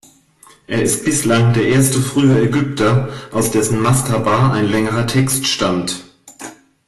Er ist bislang der erste frühe Ägypter, aus dessen Mastaba ein längerer Text stammt.